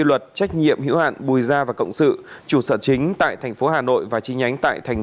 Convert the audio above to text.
luật trách nhiệm hữu hạn bùi gia và cộng sự chủ sở chính tại thành phố hà nội và chi nhánh tại thành